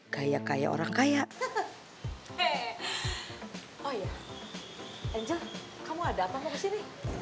he he he oh iya angel kamu ada apa mau kesini